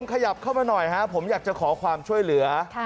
ขยับเข้ามาหน่อยฮะผมอยากจะขอความช่วยเหลือ